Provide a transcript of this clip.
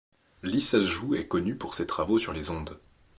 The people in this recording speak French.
Lissajous est connu pour ses travaux sur les ondes.